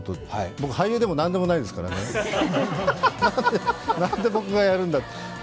僕、俳優でも何でもないですからねなんで僕がやるんだって。